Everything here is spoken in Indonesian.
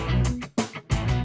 gak ada apa apa